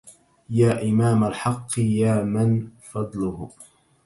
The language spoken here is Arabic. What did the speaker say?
يا إمام الحق يا من فضله